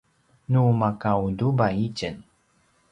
nu maka utubay itjen